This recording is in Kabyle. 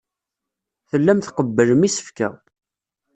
Tellam tqebblem isefka.